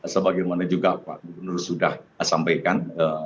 sebagaimana juga pak gubernur sudah sampaikan